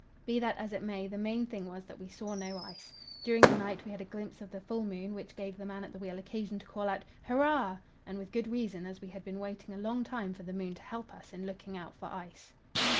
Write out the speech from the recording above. Be that as it may, the main thing was that we saw no ice. During the night we had a glimpse of the full moon, which gave the man at the wheel occasion to call out 'Hurrah!' and with good reason, as we had been waiting a long time for the moon to help us in looking out for ice.